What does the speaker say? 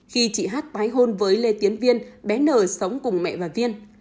khi chị h tái hôn với lê tiến viên bé n sống cùng mẹ và viên